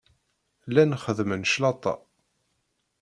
Llan xeddmen claṭa.